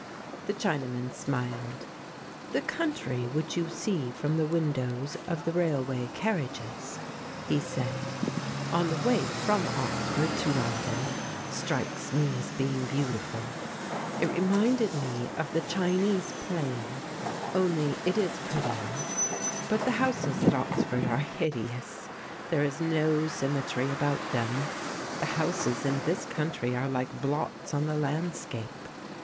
The Chinaman smiled. "The country which you see from the windows of the railway carriages," he said, "on the way from Oxford to London strikes me as being beautiful. It reminded me of the Chinese Plain, only it is prettier. But the houses at Oxford are hideous: there is no symmetry about them. The houses in this country are like blots on the landscape.